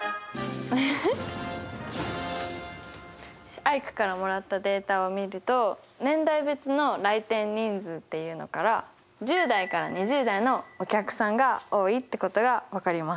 アイクからもらったデータを見ると年代別の来店人数っていうのから１０代から２０代のお客さんが多いってことが分かります。